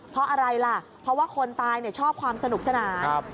เพราะอะไรล่ะเพราะว่าคนตายชอบความสนุกสนาน